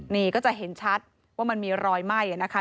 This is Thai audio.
นี่ก็จะเห็นชัดว่ามันมีรอยไหม้นะคะ